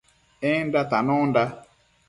Enda tanonda